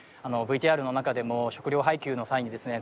あのＶＴＲの中でも食料配給の際にですね